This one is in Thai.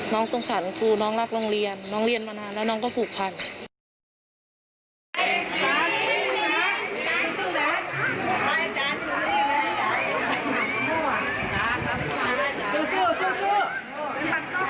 สงสารครูน้องรักโรงเรียนน้องเรียนมานานแล้วน้องก็ผูกพัน